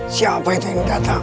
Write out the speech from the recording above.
siapa itu yang datang